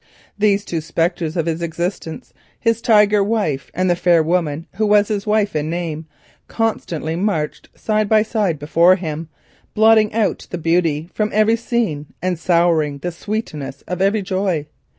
These two spectres of his existence, his tiger wife and the fair woman who was his wife in name, constantly marched side by side before him, blotting out the beauty from every scene and souring the sweetness of every joy.